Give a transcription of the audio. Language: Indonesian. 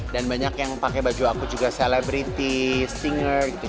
dan banyak yang pakai baju aku juga celebrity singer